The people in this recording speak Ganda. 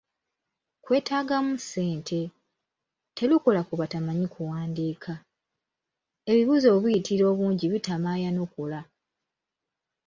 Kwetaagamu ssente, terukola ku batamanyi kuwandiika, ebibuuzo bwe biyitirira obungi bitama ayanukula.